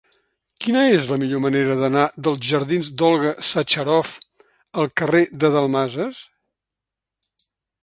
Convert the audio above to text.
Quina és la millor manera d'anar dels jardins d'Olga Sacharoff al carrer de Dalmases?